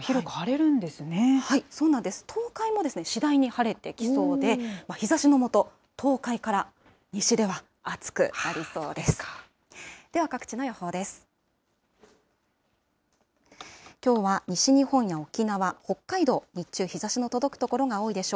東海も次第に晴れてきそうで、日ざしの下、東海から西では暑くなりそうです。